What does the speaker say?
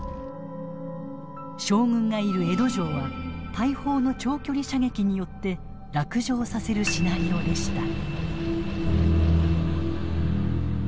将軍がいる江戸城は大砲の長距離射撃によって落城させるシナリオでした。